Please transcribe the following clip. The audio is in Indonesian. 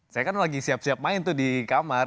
saya kan lagi siap siap main tuh di kamar